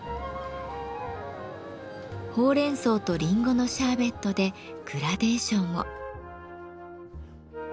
ほうれんそうとリンゴのシャーベットでグラデーションを。